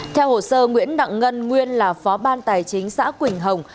theo hồ sơ nguyễn đặng ngân nguyên là phó ban tài chính xã quỳnh hồng